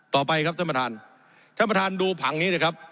ต่อไปครับท่านประธานท่านประธานดูผังนี้นะครับ